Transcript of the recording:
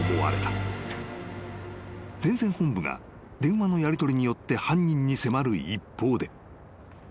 ［前線本部が電話のやりとりによって犯人に迫る一方で］